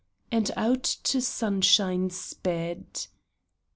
and out to sunshine sped.